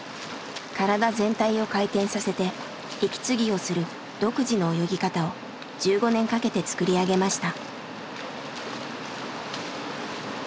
体全体を回転させて息継ぎをする独自の泳ぎ方を１５年かけて作り上げました。